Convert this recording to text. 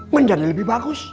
menjadi lebih bagus